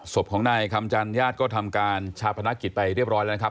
ศพของนายคำจันญาติก็ทำการชาพนักกิจไปเรียบร้อยแล้วนะครับ